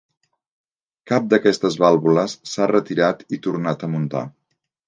Cap d"aquestes vàlvules s"ha retirat i tornat a muntar.